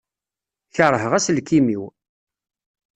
Kerheɣ aselkim-iw.